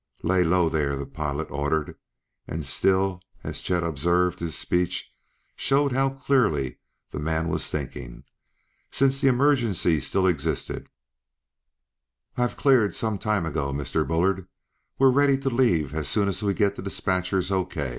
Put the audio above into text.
"Lay low there," the pilot ordered, and still, as Chet observed, his speech showed how clearly the man was thinking, since the emergency still existed "I've cleared some time ago, Mr. Bullard; we're ready to leave as soon as we get the dispatcher's O.